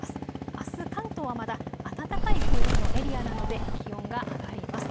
あす関東はまだ暖かい空気のエリアなので、気温が上がります。